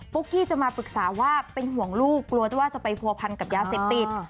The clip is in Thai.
กี้จะมาปรึกษาว่าเป็นห่วงลูกกลัวจะว่าจะไปผัวพันกับยาเสพติด